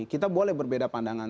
kita boleh berbeda pandangan